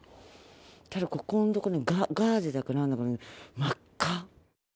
したら、ここの所にガーゼだかなんだか、真っ赤。